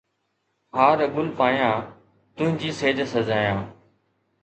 ھار ڳل پايان تنهنجي سيج سجايان